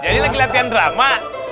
jadi lagi latihan drama